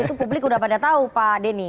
itu publik sudah pada tahu pak denny